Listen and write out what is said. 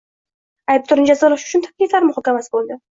Aybdorni jazolash uchun takliflar muhokamasi bo‘ldi.